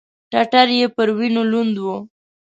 ټټر يې پر وينو لوند و.